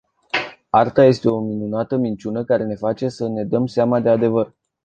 Arta este o minunată minciună care ne face să ne dăm seama de adevăr.